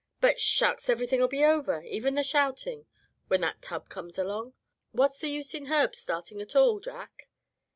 "But shucks! everything'll be over, even the shouting, when that tub comes along. What's the use in Herb startin' at all, Jack?"